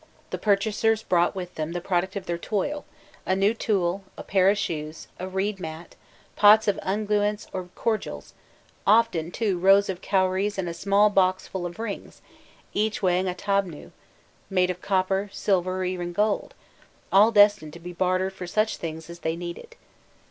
The purchasers brought with them some product of their toil a new tool, a pair of shoes, a reed mat, pots of unguents or cordials; often, too, rows of cowries and a small box full of rings, each weighing a "tabnû," made of copper, silver, or even gold, all destined to be bartered for such things as they needed.